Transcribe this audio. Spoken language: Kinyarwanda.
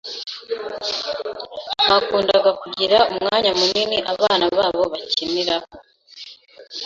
Bakundaga kugira umwanya munini abana babo bakiniraho.